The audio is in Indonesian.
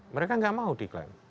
mereka enggak mau diklaim